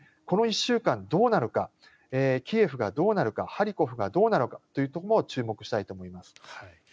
この１週間どうなるかキエフがどうなるのかハリコフがどうなるのかというところにも注目したいと思います。